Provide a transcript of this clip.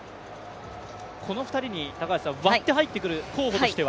この２人に割って入ってくる候補としては？